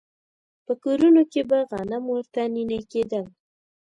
په کورونو کې به غنم ورته نينې کېدل.